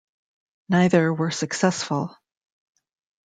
Neither were successful.